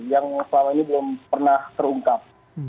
yang selama ini belum pernah terungkap